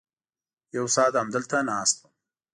یو ساعت همدلته ناست وم.